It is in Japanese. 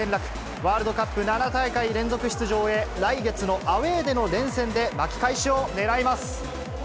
ワールドカップ７大会連続出場へ、来月のアウエーでの連戦で巻き返しを狙います。